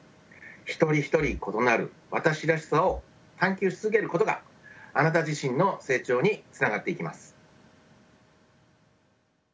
一人一人異なる「私らしさ」を探究し続けることがあなた自身の成長につながっていきます。